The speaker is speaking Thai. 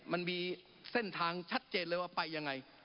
มันมีเส้นทางชัดเจนเลยว่าไปยังไง